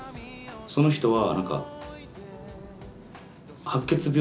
その人はなんか。